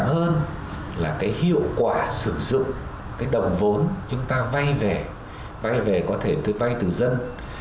quan trọng hơn là cái hiệu quả sử dụng cái đồng vốn chúng ta vay về vay về có thể vay từ dân